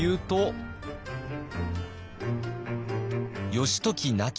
義時亡き